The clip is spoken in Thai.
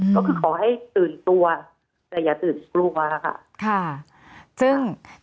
ก็คือขอให้ตื่นตัวแต่อย่าตื่นกลัวค่ะ